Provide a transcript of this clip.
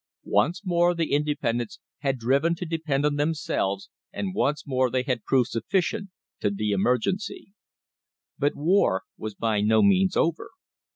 Once more the independents had been driven to depend on themselves, and once more they had proved sufficient to the emergency. But war was by no means over.